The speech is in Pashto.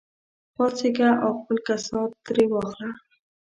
پاڅېږه او خپل کسات ترې واخله.